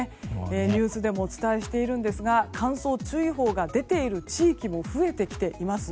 ニュースでもお伝えしているんですが乾燥注意報が出ている地域も増えてきています。